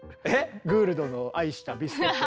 グールドの愛したビスケット。